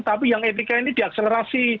tapi yang etika ini diakselerasi